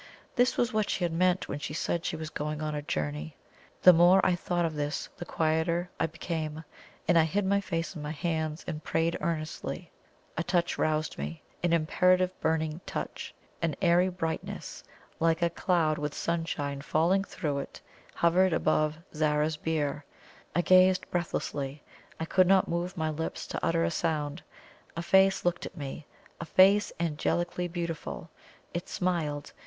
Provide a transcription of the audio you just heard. This was what she had meant when she said she was going on a journey. The more I thought of this the quieter I became, and I hid my face in my hands and prayed earnestly. A touch roused me an imperative, burning touch. An airy brightness, like a light cloud with sunshine falling through it, hovered above Zara's bier! I gazed breathlessly; I could not move my lips to utter a sound. A face looked at me a face angelically beautiful! It smiled.